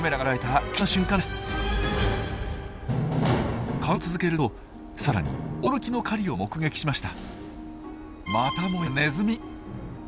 観察を続けるとさらに驚きの狩りを目撃しました。